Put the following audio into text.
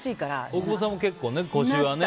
大久保さんも結構、腰はね。